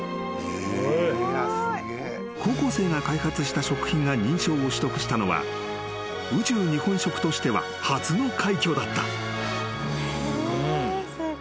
［高校生が開発した食品が認証を取得したのは宇宙日本食としては初の快挙だった］